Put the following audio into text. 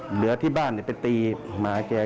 เหลือที่บ้านไปตีหมาแก